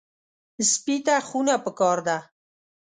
سپي ته خونه پکار ده.